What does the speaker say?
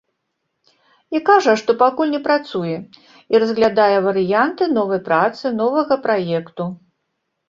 І кажа, што пакуль не працуе і разглядае варыянты новай працы, новага праекту.